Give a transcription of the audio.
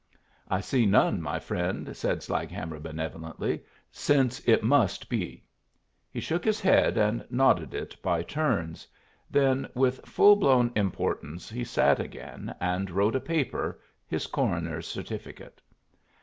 "I see none, my friend," said Slaghammer, benevolently, "since it must be." He shook his head and nodded it by turns. Then, with full blown importance, he sat again, and wrote a paper, his coroner's certificate.